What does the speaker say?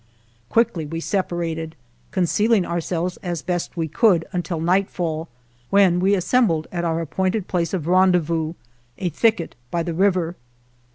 Quickly we separated, con cealing ourselves as best we could until nightfall, when we assembled at our ap pointed place of rendezvous — a thicket by the river.